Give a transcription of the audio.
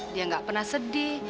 dia gak pernah sedih